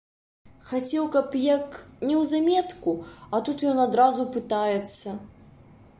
Хацеў, каб як неўзаметку, а тут ён адразу пытаецца.